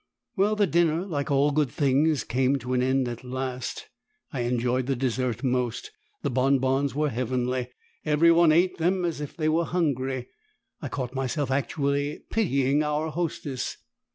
Well the dinner, like all good things, came to an end at last. I enjoyed the dessert most; the bonbons were heavenly; every one ate them as if they were hungry; I caught myself actually pitying our hostess.